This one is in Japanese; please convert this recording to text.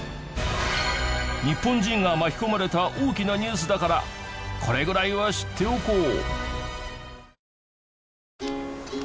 日本人が巻き込まれた大きなニュースだからこれぐらいは知っておこう。